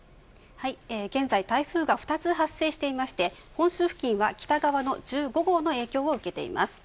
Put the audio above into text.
現在台風が２つ発生していまして本州付近は北側の１５号の影響を受けています。